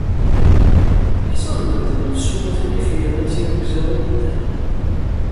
Ḥṣan medden nettsummut nnif yerna d tirugza i neddal.